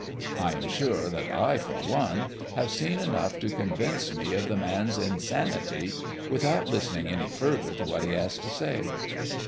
I am sure that I, for one, have seen enough to convince me of the man's insanity without listening any further to what he has to say."